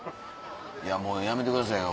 もうやめてくださいよ。